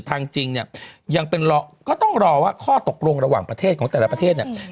จริงเนี่ยยังเป็นรอก็ต้องรอว่าข้อตกลงระหว่างประเทศของแต่ละประเทศเนี่ย